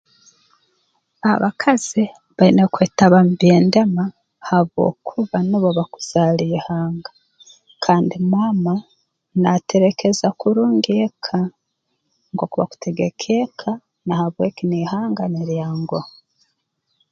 Abakazi baine kwetaba mu by'endema habwokuba nubo bakuzaara ihanga kandi maama nateerekereza kurungi eka nk'oku bakutegeka eka na habweki n'ihanga niryanguha